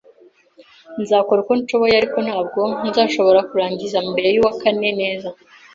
Nzakora uko nshoboye, ariko ntabwo nzashobora kurangiza mbere yuwakane neza.